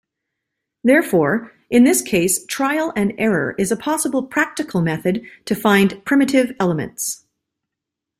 Therefore, in this case trial-and-error is a possible practical method to find primitive elements.